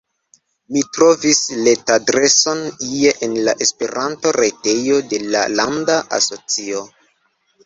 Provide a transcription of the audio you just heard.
Mi trovis retadreson ie en la Esperanto-retejo de la landa asocio.